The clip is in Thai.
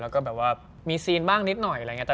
แล้วก็แบบว่ามีซีนบ้างนิดหน่อยอะไรอย่างนี้